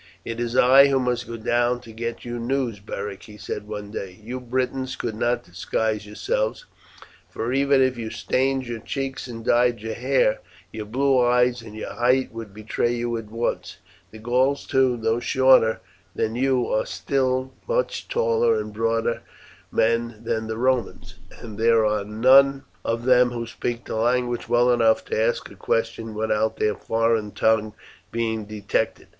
"It is I who must go down to get you news, Beric," he said one day. "You Britons could not disguise yourselves, for even if you stained your cheeks and dyed your hair your blue eyes and your height would betray you at once. The Gauls, too, though shorter than you, are still much taller and broader men than the Romans, and there are none of them who speak the language well enough to ask a question without their foreign tongue being detected.